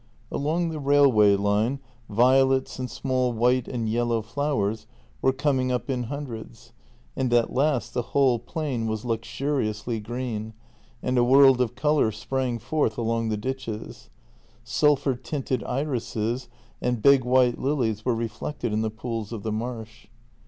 Along the railway line violets and small white and yellow flowers were coming up in hundreds, and at last the whole plain was luxuriously green, and a world of colour sprang forth along the ditches; sulphur tinted irises and big white lilies were reflected in the pools of the marsh.